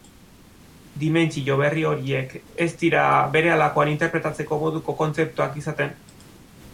Dimentsio berri horiek ez dira berehalakoan interpretatzeko moduko kontzeptuak izaten.